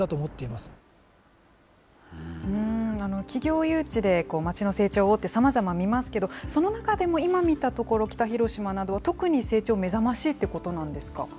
企業誘致で街の成長をってさまざま見ますけれども、その中でも、今見た所、北広島などは特に、成長目覚ましいということなんですか？